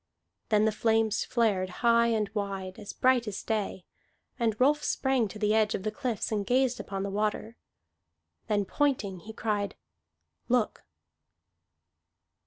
Then the flames flared high and wide, as bright as day. And Rolf sprang to the edge of the cliffs and gazed upon the water. Then, pointing, he cried, "Look!"